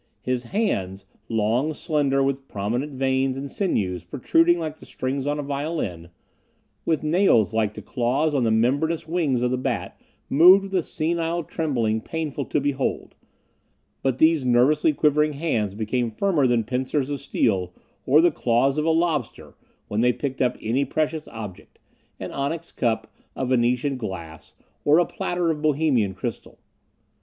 His hands, long, slender, with prominent veins and sinews protruding like the strings on a violin, with nails like the claws on the membraneous wings of the bat moved with a senile trembling painful to behold, but those nervously quivering hands became firmer than pincers of steel, or the claws of a lobster, when they picked up any precious object, an onyx cup, a Venetian glass, or a platter of Bohemian crystal.